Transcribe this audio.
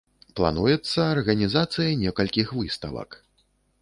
Плануецца арганізацыя некалькіх выставак.